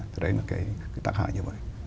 thế đấy là cái tác hại như vậy